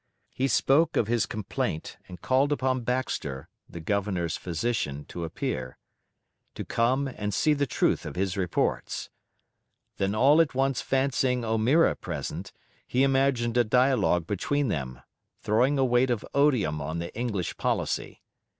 He spoke of his complaint, and called upon Baxter (the Governor's physician) to appear, to come and see the truth of his reports. Then all at once fancying O'Meara present, he imagined a dialogue between them, throwing a weight of odium on the English policy.